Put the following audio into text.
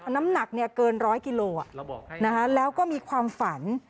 น้ำหนักเกินร้อยกิโลแล้วก็มีความฝัน